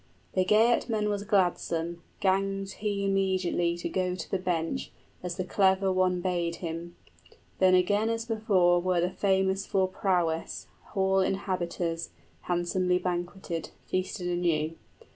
40 The Geatman was gladsome, ganged he immediately To go to the bench, as the clever one bade him. Then again as before were the famous for prowess, Hall inhabiters, handsomely banqueted, Feasted anew.